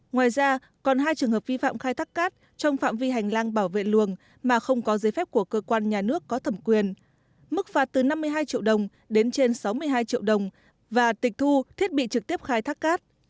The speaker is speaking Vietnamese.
ngoài ra còn hai trường hợp vi phạm khai thác cát trong phạm vi hành lang bảo vệ luồng mà không có giấy phép của cơ quan nhà nước có thẩm quyền mức phạt từ năm mươi hai triệu đồng đến trên sáu mươi hai triệu đồng và tịch thu thiết bị trực tiếp khai thác cát